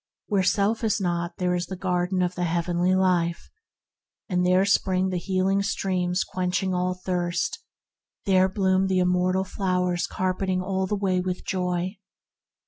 Where self is not there is the Garden of the Heavenly Life, and "There spring the healing streams Quenching all thirst I there bloom the immortal flowers Carpeting all the way with joy!